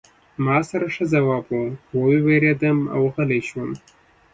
ما سره ښه ځواب و خو ووېرېدم او غلی شوم